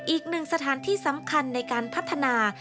อีกหนึ่งสถานที่สำคัญในการพัฒนา